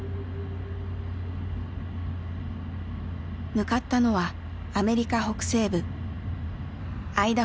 向かったのはアメリカ北西部。